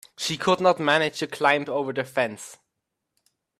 She could not manage to climb over the fence.